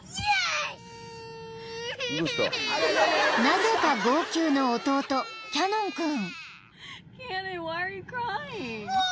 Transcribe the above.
［なぜか号泣の弟キャノン君］